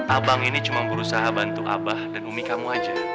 abang ini cuma berusaha bantu abah dan umi kamu aja